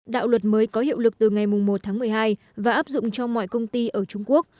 đạo luật mới có hiệu lực từ ngày một tháng một mươi hai và áp dụng cho mọi công ty ở trung quốc